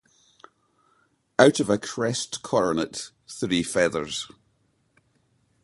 Out of a crest coronet, three feathers.